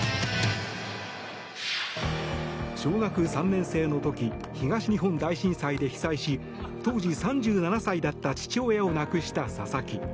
小学３年生の時東日本大震災で被災し当時３７歳だった父親を亡くした佐々木。